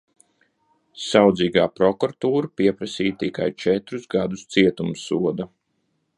Saudzīgā prokuratūra pieprasīja tikai četrus gadus cietumsoda.